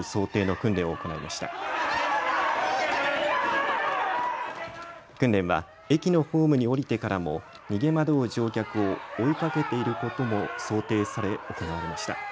訓練は駅のホームに降りてからも逃げ惑う乗客を追いかけていることも想定され行われました。